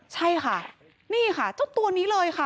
ใช่ค่ะนี่ค่ะเจ้าตัวนี้เลยค่ะ